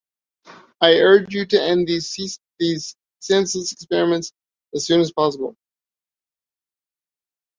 I urge you to end these senseless experiments as soon as possible.